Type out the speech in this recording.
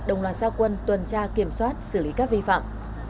đồng loài xã quân tuần tra kiểm soát xử lý các vi phạm